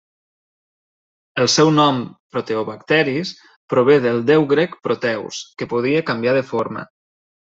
El seu nom, proteobacteris, prové del Déu grec Proteus, que podia canviar de forma.